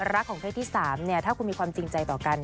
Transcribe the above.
รักของเพศที่๓ถ้าคุณมีความจริงใจต่อกัน